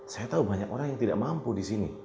saya tahu banyak orang yang tidak mampu di sini